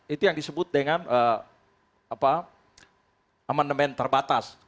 itu yang disebut dengan amandemen terbatas